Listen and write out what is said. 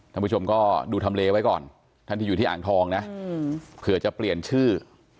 ท่านผู้ชมก็ดูทำเลไว้ก่อนท่านที่อยู่ที่อ่างทองนะเผื่อจะเปลี่ยนชื่อ